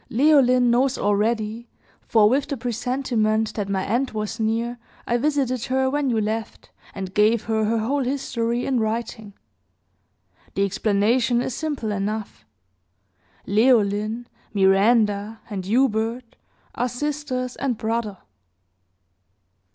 Leoline knows already; for, with the presentiment that my end was near, I visited her when you left, and gave her her whole history, in writing. The explanation is simple enough. Leoline, Miranda, and Hubert, are sisters and brother."